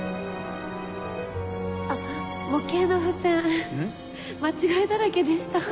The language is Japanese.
あっ模型の付箋間違いだらけでした。